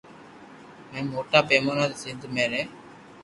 جي موٽا پيمونا تي سندھ مي رھي